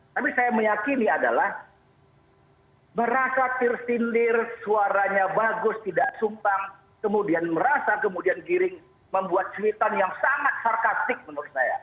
tapi saya meyakini adalah merasa tirsindir suaranya bagus tidak sumpang kemudian merasa kemudian giring membuat cuitan yang sangat sarkastik menurut saya